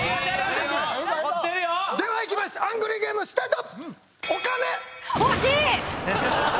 では行きますアングリーゲームスタート！